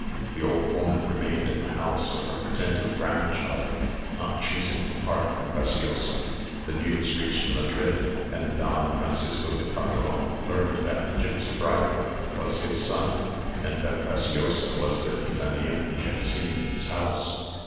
The old woman remained in the house of her pretended grandchild, not choosing to part from Preciosa. The news reached Madrid, and Don Francisco de Cárcamo learned that the gipsy bridegroom was his son, and that Preciosa was the gitanilla he had seen in his house.